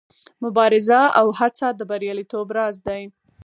مبارزه او هڅه د بریالیتوب راز دی.